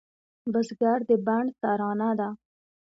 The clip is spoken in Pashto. بزګر د بڼ ترانه ده